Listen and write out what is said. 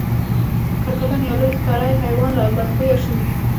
کرکدن یا لوی ښکری حیوان لا بدخویه شو.